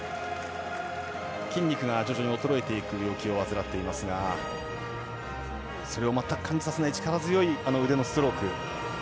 筋肉が徐々に衰えていく病気を患っていますがそれを全く感じさせない力強い腕のストローク。